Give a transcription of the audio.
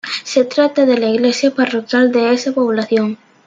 Se trata de la iglesia parroquial de esa población.